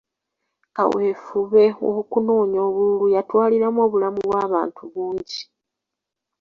Kaweefube w'okunoonya obululu yatwaliramu obulamu bw'abantu bungi.